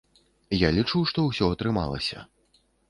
Я лічу, што ўсё атрымалася.